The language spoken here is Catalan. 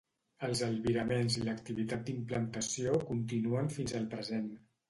Els albiraments i l'activitat d'implantació continuen fins al present.